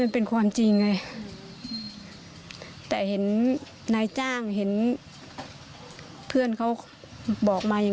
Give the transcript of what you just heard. มันเป็นความจริงไงแต่เห็นนายจ้างเห็นเพื่อนเขาบอกมาอย่าง